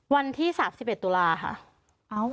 วันที่๓๑ตุลาค่ะ